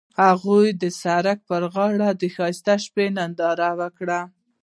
هغوی د سړک پر غاړه د ښایسته شپه ننداره وکړه.